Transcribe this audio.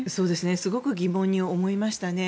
すごく疑問に思いましたね。